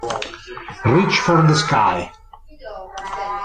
Reach for the Sky